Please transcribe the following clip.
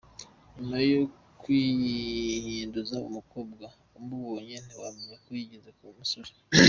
Nyuma yo kwihinduza umukobwa, umubonye ntiwamenya ko yigeze kuba umusore.